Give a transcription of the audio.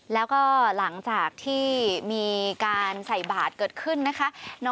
แล้วก็หลังจากที่มีการใส่บาทเกิดขึ้นนะคะ